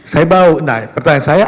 saya bau nah pertanyaan saya